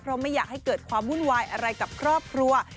เพราะไม่อยากให้เกิดความวุ่นวายอะไรกับครอบครัว